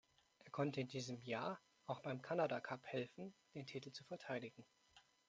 Er konnte in diesem Jahr auch beim Canada Cup helfen, den Titel zu verteidigen.